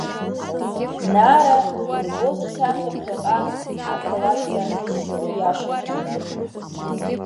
Нара илбоз асахьа ԥхьаҟа ақалақьра иашьаҭан.